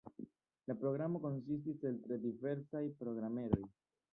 La programo konsistis el tre diversaj programeroj.